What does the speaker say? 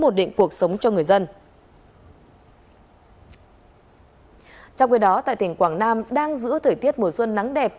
trong khi đó tại tỉnh quảng nam đang giữ thời tiết mùa xuân nắng đẹp